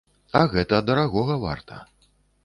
А гэта дарагога варта.